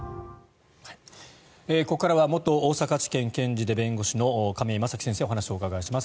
ここからは元大阪地検検事で弁護士の亀井正貴先生にお話をお伺いします。